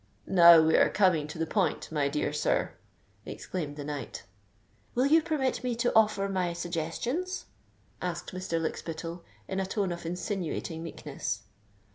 "Now we are coming to the point, my dear sir," exclaimed the knight. "Will you permit me to offer my suggestions?" asked Mr. Lykspittal, in a tone of insinuating meekness.